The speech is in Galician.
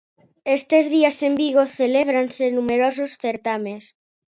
Estes días en Vigo celébranse numerosos certames.